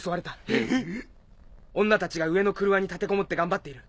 ええっ⁉女たちが上の曲輪に立てこもって頑張っている。